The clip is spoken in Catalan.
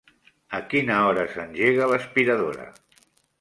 A quina hora s'engega l'aspiradora?